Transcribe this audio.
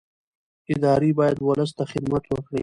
ادارې باید ولس ته خدمت وکړي